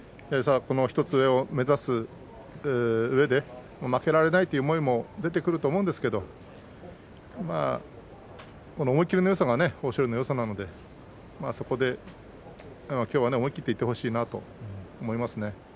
１つ上を目指すうえで負けられないという思いも出てくると思うんですけども思い切りのよさが豊昇龍のよさなので、そこで今日は思い切っていってほしいと思います。